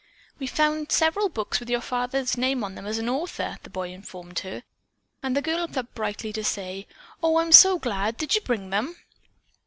"We found several books with your father's name on them as author," the boy informed her, and the girl looked up brightly to say, "O, I am so glad! Did you bring them?"